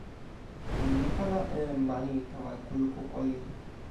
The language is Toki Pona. mi pana e mani tawa kulupu olin.